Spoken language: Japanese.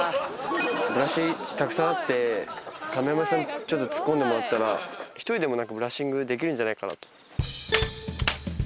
ブラシたくさんあって亀山さん突っ込んでもらったら１人でもブラッシングできるんじゃないかなと。